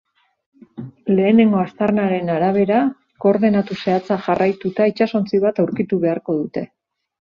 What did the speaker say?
Lehenengo aztarnaren arabera, koordenatu zehatzak jarraituta itsasontzi bat aurkitu beharko dute.